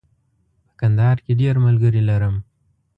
په کندهار کې ډېر ملګري لرم.